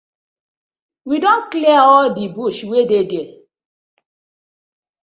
We don clear all di bush wey been dey dere.